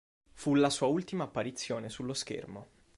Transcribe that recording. Fu la sua ultima apparizione sullo schermo.